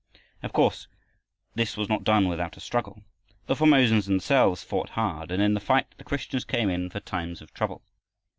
Of course this was not done without a struggle. The Formosans themselves fought hard, and in the fight the Christians came in for times of trouble.